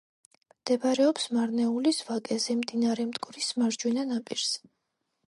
მდებარეობს მარნეულის ვაკეზე, მდინარე მტკვრის მარჯვენა ნაპირზე.